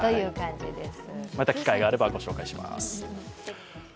また機会があればご紹介します。